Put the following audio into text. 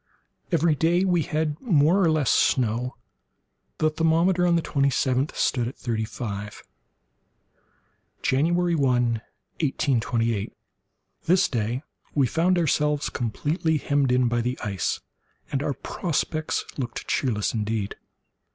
Every day we had more or less snow. The thermometer, on the twenty seventh stood at thirty five. January 1, 1828.—This day we found ourselves completely hemmed in by the ice, and our prospects looked cheerless indeed.